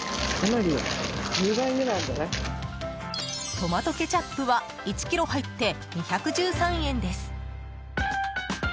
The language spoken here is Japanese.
トマトケチャップは１ｋｇ入って２１３円です。